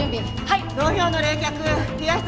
はい！